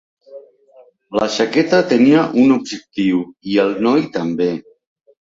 La jaqueta tenia un objectiu, i el noi també.